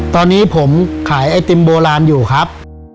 ตอนนี้ผมขายไอติมโบราณอยู่ครับ